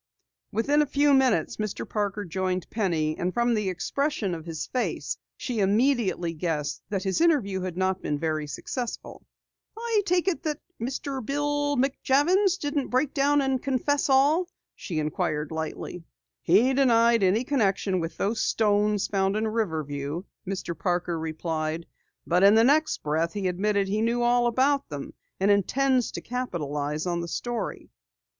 Within a few minutes Mr. Parker joined Penny and from the expression of his face, she immediately guessed that his interview had not been very successful. "I take it that Bill McJavins didn't break down and confess all?" she inquired lightly. "He denied any connection with those stones found in Riverview," Mr. Parker replied. "But in the next breath he admitted he knew all about them and intends to capitalize on the story."